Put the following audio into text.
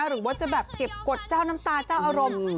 หรือว่าจะแบบเก็บกฎเจ้าน้ำตาเจ้าอารมณ์